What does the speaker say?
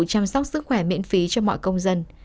chăm sóc sức khỏe miễn phí cho mọi công dân